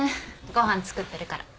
ご飯作ってるから。